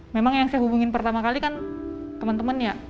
memang yang saya hubungin pertama kali kan temen temennya